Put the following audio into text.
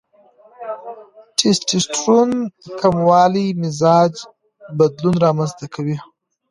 ټیسټسټرون کموالی مزاج بدلون رامنځته کوي.